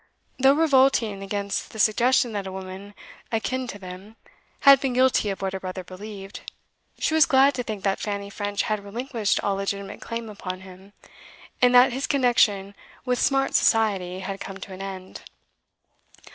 Though revolting against the suggestion that a woman akin to them had been guilty of what her brother believed, she was glad to think that Fanny French had relinquished all legitimate claim upon him, and that his connection with 'smart' society had come to an end.